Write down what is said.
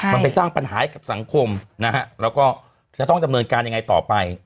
มันไปสร้างปัญหาให้กับสังคมนะฮะแล้วก็จะต้องดำเนินการยังไงต่อไป